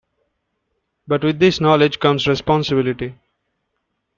But with this knowledge comes responsibility.